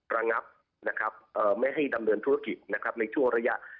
ระงับไม่ให้ดำเนินธุรกิจในทั่วระยะ